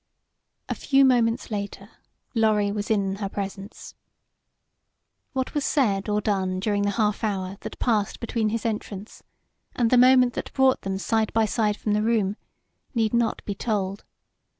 A few moments later Lorry was in her presence. What was said or done during the half hour that passed between his entrance and the moment that brought them side by side from the room need not be told.